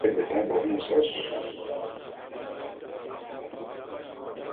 M’ aye beta bo minsos.